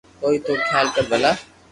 ڪوئي تو خيال ڪر ڀلا